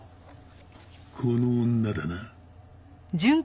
この女だな？